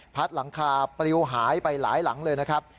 หลังคาปลิวหายไปหลายหลังเลยนะครับ